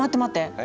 え？